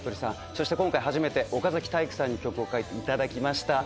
そして今回初めて岡崎体育さんに曲を書いていただきました。